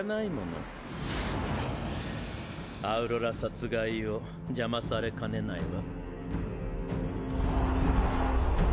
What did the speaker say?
アウロラ殺害を邪魔されかねないわ。